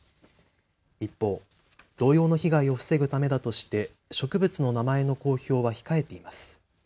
一方、同様の被害を防ぐためだとして植物の名前の公表は控えています。